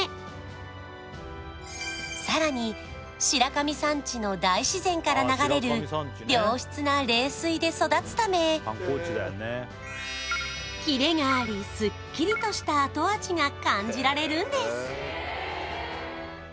白神山地の大自然から流れる良質な冷水で育つためキレがありスッキリとした後味が感じられるんです